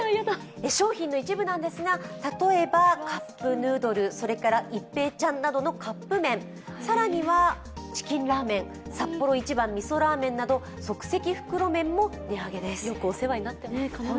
商品の一部なんですが例えばカップヌードル、それから一平ちゃんなどのカップめん更にはチキンラーメン、サッポロ一番みそラーメンなど即席袋麺も値上げです。